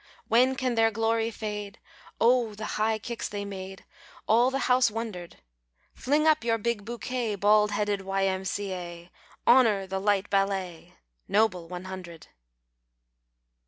■When can their glory fade ? Oh, the high kicks they made ! All the house wondered. Fling up your big bouquet. Bald headed Y. M. C. A. ! Honour the light ballet. Noble one hundred